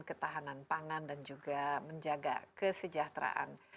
ketahanan pangan dan juga menjaga kesejahteraan